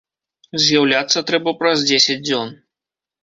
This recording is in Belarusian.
З'яўляцца трэба праз дзесяць дзён.